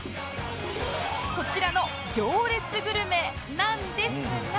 こちらの行列グルメなんですが